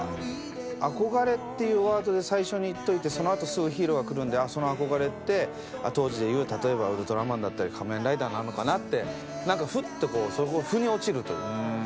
「憧れ」っていうワードで最初にいっといてその後すぐ「ヒーロー」がくるんでその憧れって当時でいう例えばウルトラマンだったり仮面ライダーなのかなってふっとふに落ちるという。